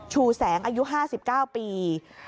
ชูแสงอายุ๕๙ปี